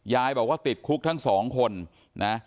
ยายบอกว่าติดคุกทั้ง๒คน